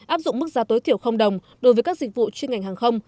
áp dụng mức giá tối thiểu đồng đối với các dịch vụ chuyên ngành hàng không